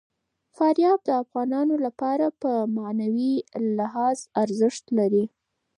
فاریاب د افغانانو لپاره په معنوي لحاظ ارزښت لري.